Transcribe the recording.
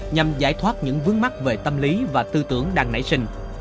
nhằm giải thoát những vướng mắt về tâm lý và tư tưởng đang nảy sinh